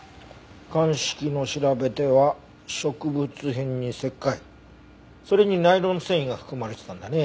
鑑識の調べでは植物片に石灰それにナイロン繊維が含まれてたんだね。